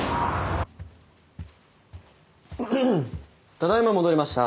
ただいま戻りました。